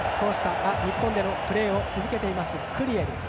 日本でもプレーを続けていますクリエル。